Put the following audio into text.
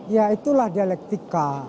ya itulah dialektika